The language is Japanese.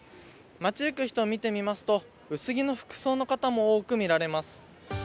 街行く人を見てみますと、薄着の服装の方も多くみられます。